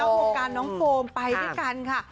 ยังไม่มีผู้มันกลางไปที่กันค่ะ